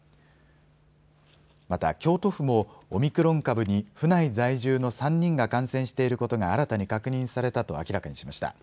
また京都府もオミクロン株に府内在住の３人が感染していることが新たに確認されたと明らかにしました。